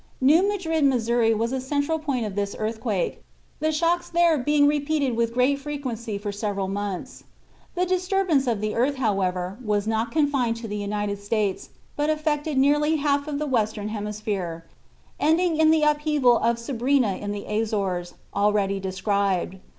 New Madrid, Missouri, was a central point of this earthquake, the shocks there being repeated with great frequency for several months. The disturbance of the earth, however, was not confined to the United States, but affected nearly half of the western hemisphere, ending in the upheaval of Sabrina in the Azores, already described.